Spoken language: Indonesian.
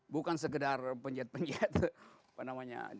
bukan sekedar penjahat penjahat apa namanya